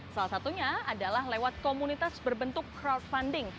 salah satunya adalah lewat komunitas berbentuk crowdfunding